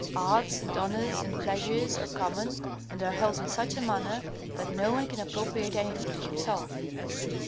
Arts and honors and pleasures are common, and are held in such a manner that no one can appropriate anything to himself.